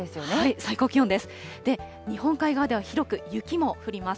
最高気温です。